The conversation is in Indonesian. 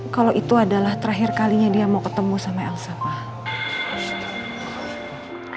kalau itu adalah terakhir kalinya dia mau ketemu sama elsa fah